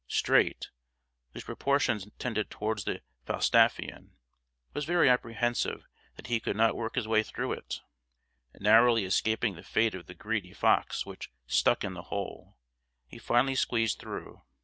Streight, whose proportions tended toward the Falstaffian, was very apprehensive that he could not work his way through it. Narrowly escaping the fate of the greedy fox which "stuck in the hole," he finally squeezed through.